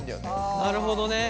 なるほどね。